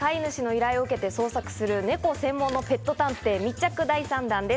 飼い主の依頼を受けて捜索する、ネコ専門のペット探偵の密着、第３弾です。